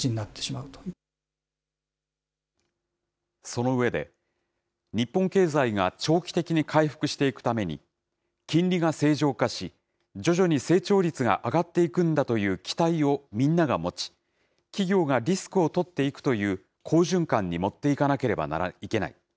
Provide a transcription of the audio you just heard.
その上で、日本経済が長期的に回復していくために、金利が正常化し、徐々に成長率が上がっていくんだという期待をみんなが持ち、企業がリスクを取っていくという好循環に持っていかなければいけない。